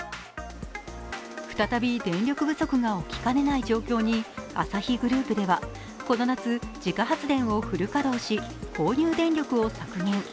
再び電力不足が起きかねない状況にアサヒグループでは自家発電をフル稼働し、購入電力を削減。